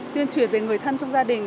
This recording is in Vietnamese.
tuyên truyền về người thân trong gia đình